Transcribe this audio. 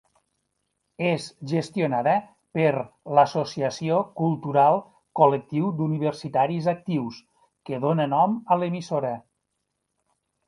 És gestionada per l'associació cultural Col·lectiu d'Universitaris Actius, que dóna nom a l'emissora.